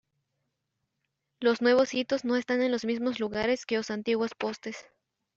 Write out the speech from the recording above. Los nuevos hitos no están en los mismos lugares que os antiguos postes.